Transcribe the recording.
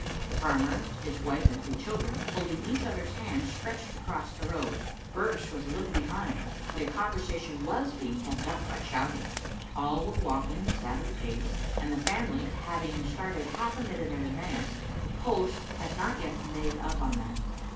The farmer, his wife and three children, holding each other's hands, stretched across the road. Birse was a little behind, but a conversation was being kept up by shouting. All were walking the Sabbath pace, and the family having started half a minute in advance, the post had not yet made up on them.